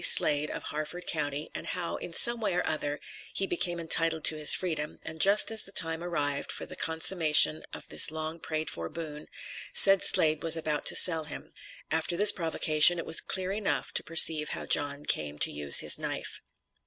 Slade, of Harford Co., and how, in some way or other, he became entitled to his freedom, and just as the time arrived for the consummation of his long prayed for boon, said Slade was about to sell him, after this provocation, it was clear enough to perceive how John came to use his knife.